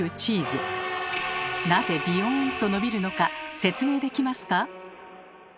なぜビヨンと伸びるのか説明できますか？